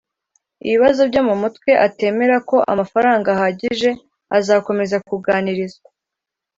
ibibazo byo mu mutwe atemera ko amafaranga ahagije Azakomeza kuganirizwa